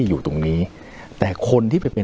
อยู่ตรงนี้แต่คนที่ไปเป็น